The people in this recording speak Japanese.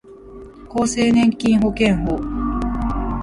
厚生年金保険法